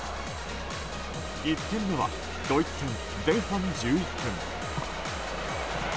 １点目はドイツ戦前半１１分。